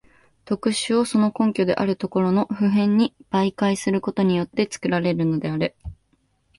特殊をその根拠であるところの普遍に媒介することによって作られるのである。